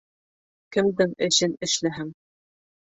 Кемдең эшен эшләһәң